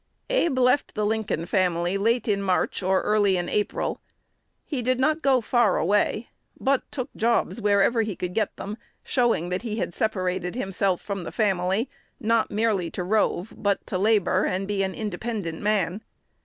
Abe left the Lincoln family late in March, or early in April. He did not go far away, but took jobs wherever he could get them, showing that he had separated himself from the family, not merely to rove, but to labor, and be an independent man.